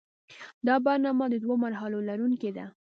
دا برنامه د دوو مرحلو لرونکې ده.